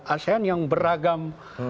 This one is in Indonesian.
asean yang beragam